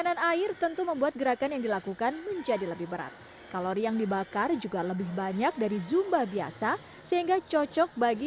mari kita coba kalau begitu seperti apa kuah zumba ini